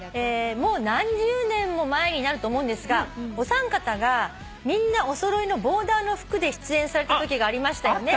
「もう何十年も前になると思うんですがお三方がみんなお揃いのボーダーの服で出演されたときがありましたよね」